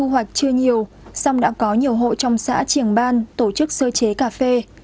hoặc chưa nhiều xong đã có nhiều hộ trong xã triển ban tổ chức sơ chế cà phê